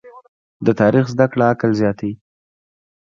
د تاریخ زده کړه عقل زیاتوي.